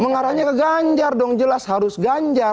mengarahnya ke ganjar dong jelas harus ganjar